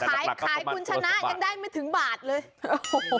ขายขายคุณชนะยังได้ไม่ถึงบาทเลยโอ้โห